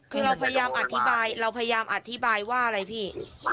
คือเราพยายามอธิบายว่าอะไรพี่